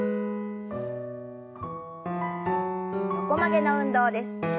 横曲げの運動です。